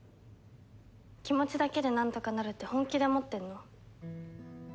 気持ちだけでなんとかなるって本気で思ってるの？